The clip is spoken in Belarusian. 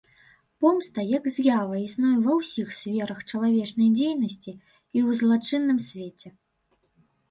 Помста як з'ява існуе ва ўсіх сферах чалавечай дзейнасці і ў злачынным свеце.